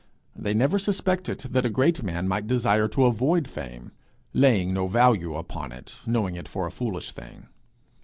They never suspected that a great man might desire to avoid fame, laying no value upon it, knowing it for a foolish thing.